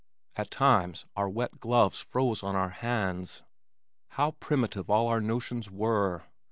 At times our wet gloves froze on our hands. How primitive all our notions were!